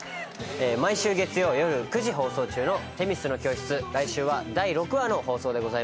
毎週月曜夜９時放送中の『女神の教室』来週は第６話の放送でございます。